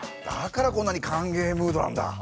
だからこんなに歓迎ムードなんだ。